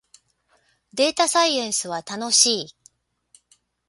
データサイエンスは楽しい